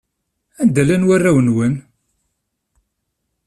Anda i llan warraw-nwen?